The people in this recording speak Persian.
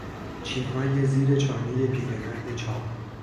چینهای زیرچانهی پیرمرد چاق